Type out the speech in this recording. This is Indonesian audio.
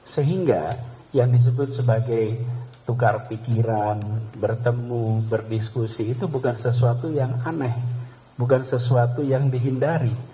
sehingga yang disebut sebagai tukar pikiran bertemu berdiskusi itu bukan sesuatu yang aneh bukan sesuatu yang dihindari